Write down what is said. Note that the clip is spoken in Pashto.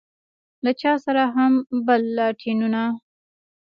له چا سره هم بل لاټينونه.